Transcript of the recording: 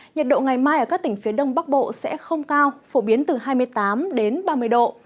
nhiệt độ ngày mai ở các tỉnh phía đông bắc bộ sẽ không cao phổ biến từ hai mươi tám đến ba mươi độ